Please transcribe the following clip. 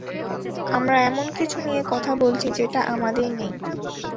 আমরা এমন কিছু নিয়ে কথা বলছি যেটা আমাদের নেই।